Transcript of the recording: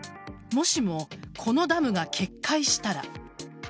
もしもこのダムが決壊したら。